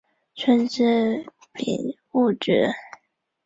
顺治丙戌举人。